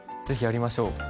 ぜひやりましょう。